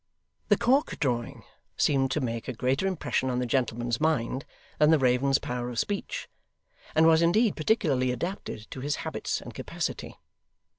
The cork drawing seemed to make a greater impression on the gentleman's mind, than the raven's power of speech, and was indeed particularly adapted to his habits and capacity.